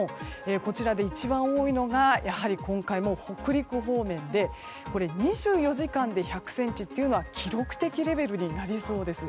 こちらで一番多いのがやはり今回も北陸方面で２４時間で１００ｃｍというのは記録的レベルになりそうです。